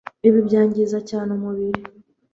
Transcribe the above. Ibi byangiza cyane umubiri